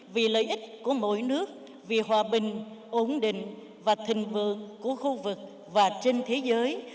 vì lợi ích của mỗi nước vì hòa bình ổn định và thịnh vượng của khu vực và trên thế giới